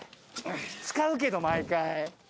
使うけど毎回。